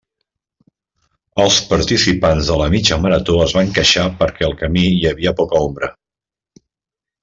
Els participants de la mitja marató es van queixar perquè al camí hi havia poca ombra.